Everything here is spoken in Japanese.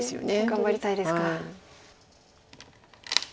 頑張りたいですか。